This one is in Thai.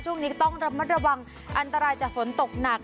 ช่วงนี้ก็ต้องระมัดระวังอันตรายจากฝนตกหนัก